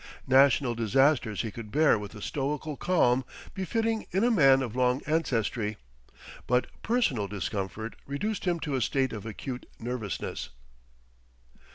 National disaster he could bear with a stoical calm befitting in a man of long ancestry; but personal discomfort reduced him to a state of acute nervousness.